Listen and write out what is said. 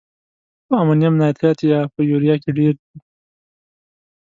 په امونیم نایتریت یا په یوریا کې ډیر دی؟